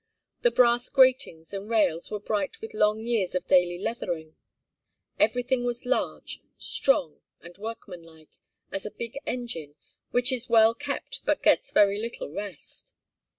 The brass gratings and rails were bright with long years of daily leathering. Everything was large, strong, and workmanlike, as a big engine, which is well kept but gets very little rest.